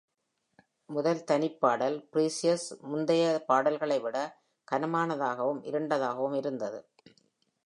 முதல் தனிப்பாடல் “Precious” முந்தைய பாடல்களை விட கனமானதாகவும் இருண்டதாகவும் இருந்தது.